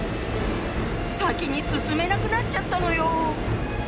先に進めなくなっちゃったのよ！